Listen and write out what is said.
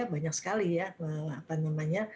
banyak sekali ya